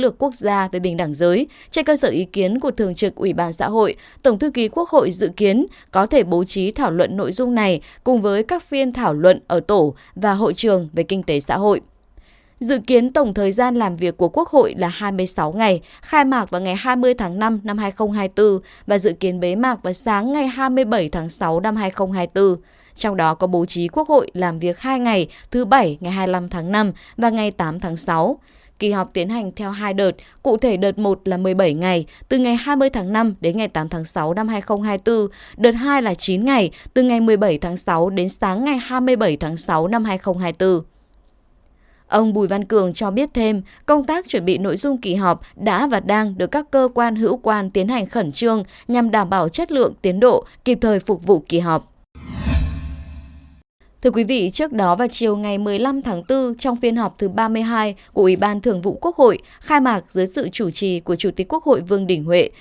trước đó vào chiều ngày một mươi năm tháng bốn trong phiên họp thứ ba mươi hai của ủy ban thường vụ quốc hội khai mạc dưới sự chủ trì của chủ tịch quốc hội vương đình huệ